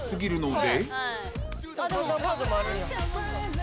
で